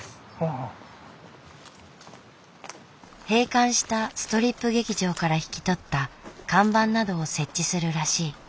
閉館したストリップ劇場から引き取った看板などを設置するらしい。